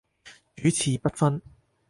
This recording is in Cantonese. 主次不分